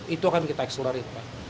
itu akan kita accelerate